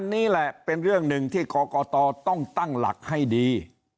อันนี้แหละเป็นเรื่องหนึ่งที่กรกตต้องตั้งหลักให้ดี